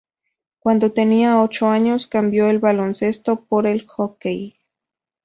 Cuando tenía ocho años, cambió el baloncesto por el hockey.